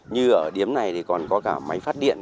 như ở điếm này thì còn có cả máy phát điện